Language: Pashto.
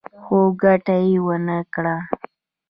خو ګټه يې ونه کړه.